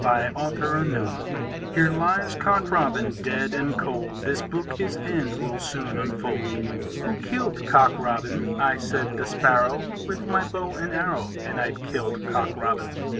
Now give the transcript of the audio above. ] Here lies Cock Robin, Dead and cold; This book his end Will soon unfold. Who kill'd Cock Robin? I, said the Sparrow, With my bow and arrow, And I kill'd Cock Robin.